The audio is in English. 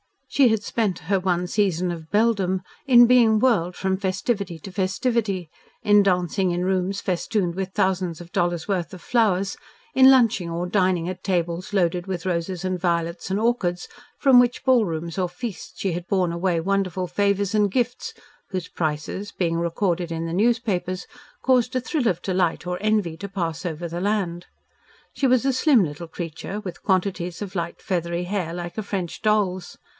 She had spent her one season of belledom in being whirled from festivity to festivity, in dancing in rooms festooned with thousands of dollars' worth of flowers, in lunching or dining at tables loaded with roses and violets and orchids, from which ballrooms or feasts she had borne away wonderful "favours" and gifts, whose prices, being recorded in the newspapers, caused a thrill of delight or envy to pass over the land. She was a slim little creature, with quantities of light feathery hair like a French doll's.